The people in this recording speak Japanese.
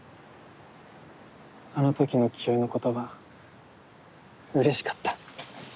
あのときの清居の言葉うれしかった。